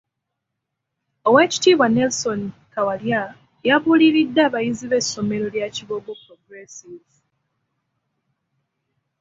Oweekitiibwa Nelson Kawalya yabuuliridde abayizi b'essomero lya Kiboga Progressive.